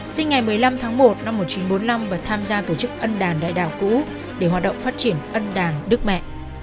sinh ngày một mươi năm tháng một năm một nghìn chín trăm bốn mươi năm và tham gia tổ chức ân đàn đại đảo cũ để hoạt động phát triển ân đàn đức mẹ